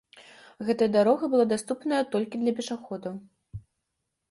Гэтая дарога была даступная толькі для пешаходаў.